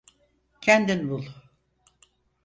Kendin bul.